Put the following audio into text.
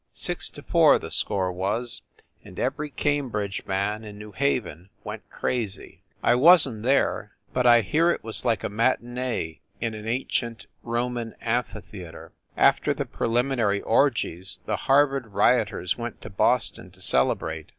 Six to four the score was, and every Cambridge man in New Haven went crazy. I wasn t there, but I 244 FIND THE WOMAN hear it was like a matinee in an ancient Roman am phitheater. After the preliminary orgies the Har vard rioters went to Boston to celebrate.